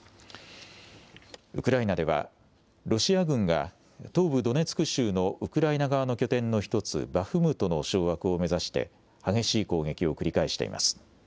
ウクライナでは、ロシア軍が東部ドネツク州のウクライナ側の拠点の一つ、バフムトの掌握を目指して激しい攻撃を繰り返しています。